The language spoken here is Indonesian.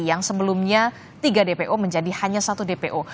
yang sebelumnya tiga dpo menjadi hanya satu dpo